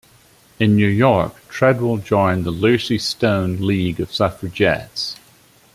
In New York, Treadwell joined the Lucy Stone League of suffragettes.